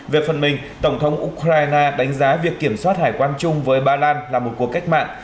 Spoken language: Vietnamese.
về phần mình tổng thống ukraine đánh giá việc kiểm soát hải quan chung với ba lan là một cuộc cách mạng